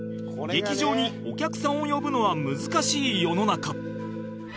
劇場にお客さんを呼ぶのは難しい世の中